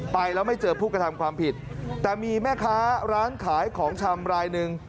ไปแล้วไม่เจอผู้กระทำความผิดแต่มีแม่ค้าร้านขายของชำรายหนึ่ง